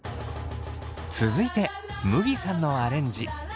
続いてむぎさんのアレンジ。